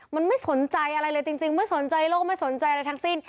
มันไม่สนใจอะไรเลยจริงไม่สนใจโลกไม่สนใจอะไรทั้งสิ้น